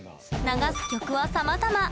流す曲はさまざま。